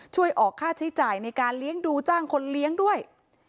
ช่วยออกค่าใช้จ่ายในการเลี้ยงดูจ้างคนเลี้ยงด้วย